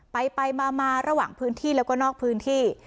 ไปไปมาระหว่างพื้นที่แล้วก็นอกพื้นที่